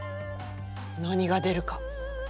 何が出るか。